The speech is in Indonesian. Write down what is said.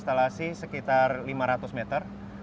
ia berkalasi sekitar lima ratus meter